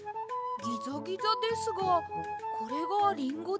ギザギザですがこれがリンゴですか？